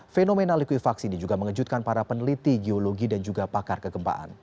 fenomena likuifaksi ini juga mengejutkan para peneliti geologi dan juga pakar kegempaan